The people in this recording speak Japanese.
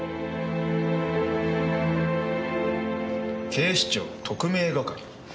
警視庁特命係。